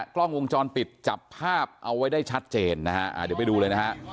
กล้องวงจรปิดจับภาพเอาไว้ได้ชัดเจนนะฮะเดี๋ยวไปดูเลยนะฮะ